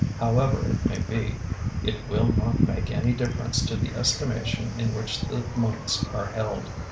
However it may be, it will not make any difference to the estimation in which the monks are held.